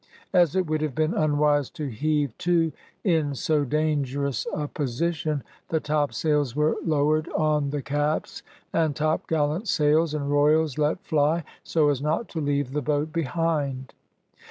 As it would have been unwise to heave to in so dangerous a position, the topsails were lowered on the caps, and topgallant sails and royals let fly, so as not to leave the boat behind.